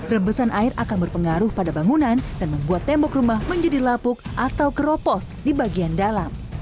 rebesan air akan berpengaruh pada bangunan dan membuat tembok rumah menjadi lapuk atau keropos di bagian dalam